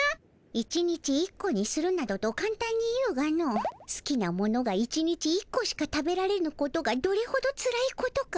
１日１個にするなどとかんたんに言うがのすきなものが１日１個しか食べられぬことがどれほどつらいことか。